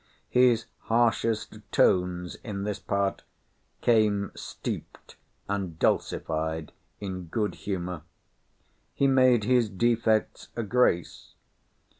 His harshest tones in this part came steeped and dulcified in good humour. He made his defects a grace.